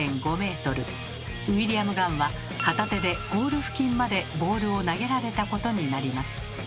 ウィリアム・ガンは片手でゴール付近までボールを投げられたことになります。